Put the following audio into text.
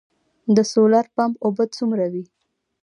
د سولر پمپ اوبه څومره وي؟